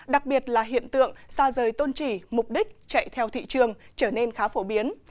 đặc biệt là hiện tượng xa rời tôn trì mục đích chạy theo thị trường trở nên khá phổ biến